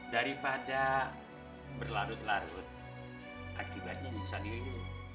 daripada berlarut larut akibatnya bisa diri dulu